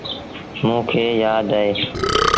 موݩ کي يآدا اهيݩ۔